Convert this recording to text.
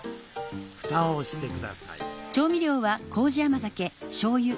蓋をしてください。